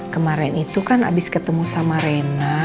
kemarin itu kan abis ketemu sama rena